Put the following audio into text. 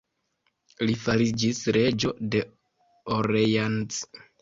Li fariĝis reĝo de Orleans.